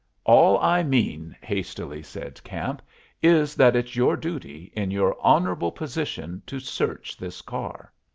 "All I mean," hastily said Camp, "is that it's your duty, in your honorable position, to search this car."